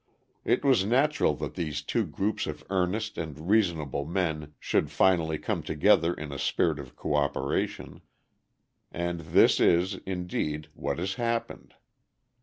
It was natural that these two groups of earnest and reasonable men should finally come together in a spirit of coöperation; and this is, indeed, what has happened.